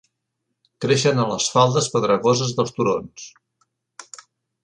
Creixen a les faldes pedregoses dels turons.